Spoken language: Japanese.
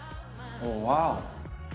ワオ！